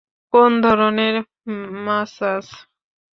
কোন ধরনের ম্যাসাজ?